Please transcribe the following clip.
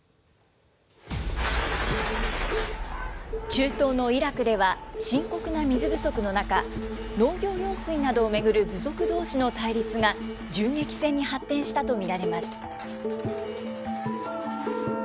中東のイラクでは、深刻な水不足の中、農業用水などを巡る部族どうしの対立が銃撃戦に発展したと見られます。